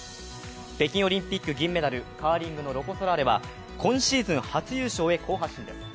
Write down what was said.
北京オリンピック銀メダル、カーリングのロコ・ソラーレは今シーズン初優勝へ好発進です。